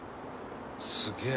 「すげえ」